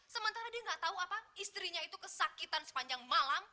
sementara dia nggak tahu apa istrinya itu kesakitan sepanjang malam